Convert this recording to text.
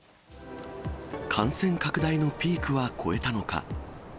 感染拡大のピークは越えたのか。